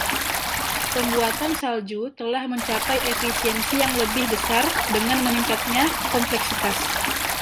Pembuatan salju telah mencapai efisiensi yang lebih besar dengan meningkatnya kompleksitas.